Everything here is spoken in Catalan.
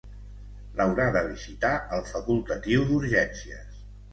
L'haurà de visitar el facultatiu d'urgències.